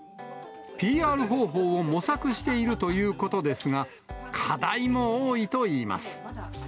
ＰＲ方法を模索しているということですが、課題も多いといいます。